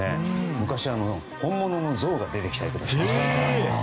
昔、本物のゾウが出てきたりしましたから。